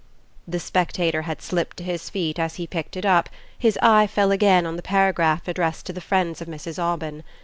The SPECTATOR had slipped to his feet and as he picked it up his eye fell again on the paragraph addressed to the friends of Mrs. Aubyn.